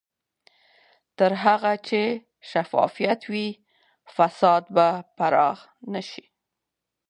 تر هغه چې شفافیت وي، فساد به پراخ نه شي.